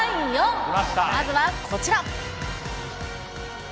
まずはこちら。